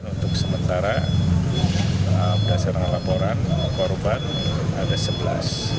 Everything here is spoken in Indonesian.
untuk sementara berdasarkan laporan korban ada sebelas